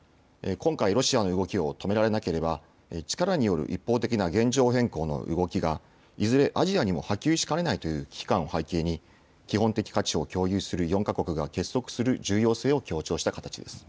ロシアの動きを止められなければ力による一方的な現状変更の動きがいずれアジアにも波及しかねないという危機感を背景に基本的価値を共有する４か国は結束する重要性を強調した形です。